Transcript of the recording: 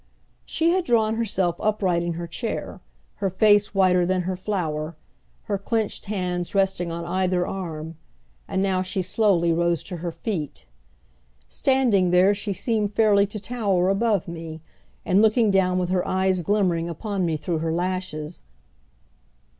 She had drawn herself upright in her chair, her face whiter than her flower, her clenched hands resting on either arm; and now she slowly rose to her feet. Standing there she seemed fairly to tower above me, and looking down with her eyes glimmering upon me through her lashes.